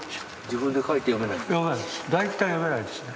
・自分で書いて読めないんですか？